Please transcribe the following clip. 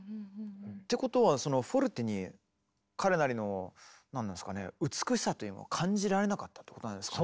てことはそのフォルテに彼なりの何ですかね美しさというのを感じられなかったってことなんですかね。